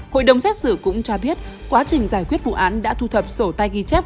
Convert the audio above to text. hội đồng xét xử cũng cho biết quá trình giải quyết vụ án đã thu thập sổ tay ghi chép